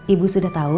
ibu sudah tahu